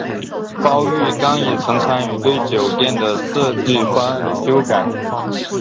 包玉刚也曾参与对酒店的设计方案的修改。